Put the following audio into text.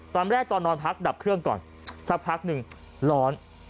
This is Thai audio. ตอนแรกตอนนอนพักดับเครื่องก่อนสักพักหนึ่งร้อน